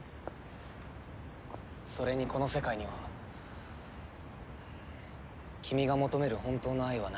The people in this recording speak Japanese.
それにこの世界には君が求める本当の愛はない。